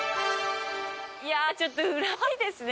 いやちょっとウラ怖いですね